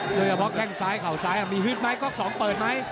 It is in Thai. โดยเผาแข้งซ้ายเข่าซ้ายอ่ะมีฮึดมั้ยกรอกสองเปิดมั้ย